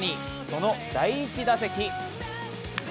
その第１打席。